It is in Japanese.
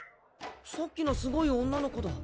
さっきのすごい女の子だ。